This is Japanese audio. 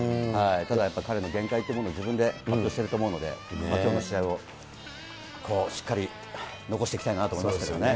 ただやっぱり彼の限界というものを自分で発表してると思うので、次の試合をしっかり残していきたいなと思いますけどね。